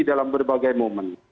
dalam berbagai momen